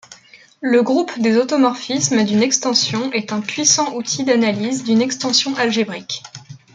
Le groupe des automorphismes d'une extension est un puissant outil d'analyse d'une extension algébrique.